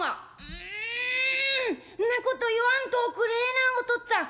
「うんんなこと言わんとおくれえなおとっつぁん。